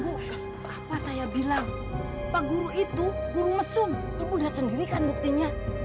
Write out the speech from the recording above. tuh kan bu apa saya bilang pak guru itu guru mesum ibu lihat sendiri kan buktinya